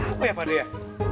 apa ya pak dek ya